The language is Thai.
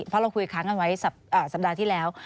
เพราะเราคุยค้างกันไว้สัปดาห์ที่แล้ว